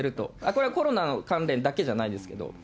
これはコロナ関連だけじゃないですけど。